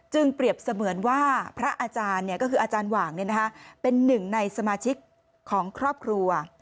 เปรียบเสมือนว่าพระอาจารย์ก็คืออาจารย์หว่างเป็นหนึ่งในสมาชิกของครอบครัว